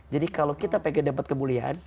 jadi kalau kita pengen dapat kemuliaan